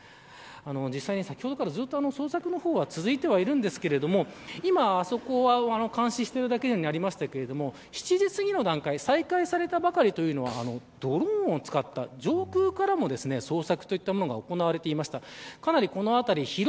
実際に先ほどから捜索の方は続いてはいるんですが今あそこは、監視しているだけになりましたけど７時すぎの段階で再開したばかりというのはドローンを使った、上空からも捜索が行われていました。